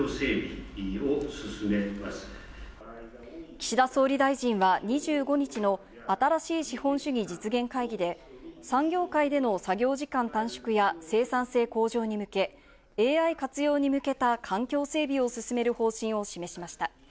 岸田総理大臣は２５日の新しい資本主義実現会議で、産業界での作業時間短縮や生産性向上に向け、ＡＩ活用に向けた環境整備を進める方針を示しました。